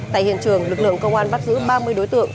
tại hiện trường lực lượng công an bắt giữ ba mươi đối tượng